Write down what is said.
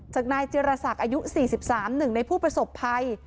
จากนายเจรสักอายุ๔๓หนึ่งในผู้ประสบภัย